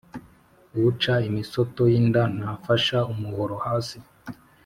Uca imisoto y’inda ntafasha umuhoro hasi.